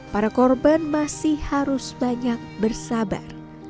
para korban masih harus banyak bersabar